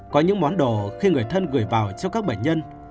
có những món đồ khi người thân gửi vào cho các bệnh nhân